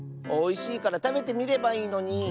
おいしいからたべてみればいいのに。